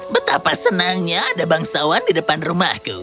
betapa senangnya ada bangsawan di depan rumahku